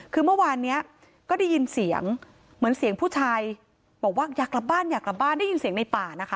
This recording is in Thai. คือเมื่อวานนี้ก็ได้ยินเสียงเหมือนเสียงผู้ชายบอกว่าอยากกลับบ้านอยากกลับบ้านได้ยินเสียงในป่านะคะ